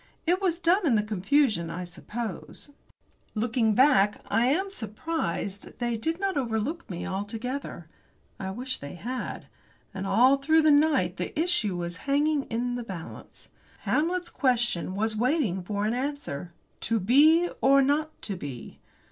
It was done in the confusion, I suppose. Looking back, I am surprised they did not overlook me altogether. I wish they had. And all through the night the issue was hanging in the balance. Hamlet's question was waiting for an answer. "To be, or not to be?"